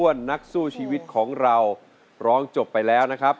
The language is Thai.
นักสู้ชีวิตของเราร้องจบไปแล้วนะครับ